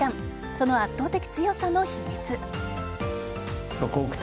その圧倒的強さの秘密。